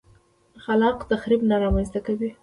خلاق تخریب نه رامنځته کوي.